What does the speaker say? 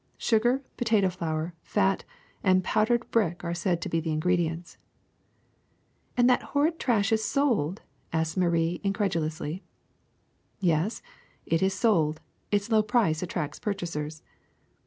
Sugar, potato flour, fat, and powdered brick are said to be the ingre dients.'' *^And that horrid trash is sold?'' asked Marie incredulously. Yes, it is sold ; its low price attracts purchasers."